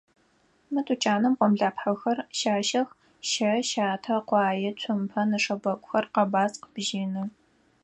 Мы тучаным гъомлапхъэхэр щащэх: щэ, щатэ, къуае, цумпэ, нэшэбэгухэр, къэбаскъ, бжьыны.